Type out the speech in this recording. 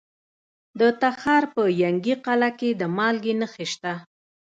د تخار په ینګي قلعه کې د مالګې نښې شته.